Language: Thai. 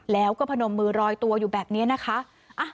แล้วก็พนมมือรอยตัวอยู่แบบนี้นะคะ